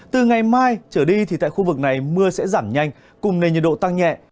từ ngày mai trở đi thì tại khu vực này mưa sẽ giảm nhanh cùng nền nhiệt độ tăng nhẹ